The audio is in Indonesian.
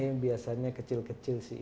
yang biasanya kecil kecil sih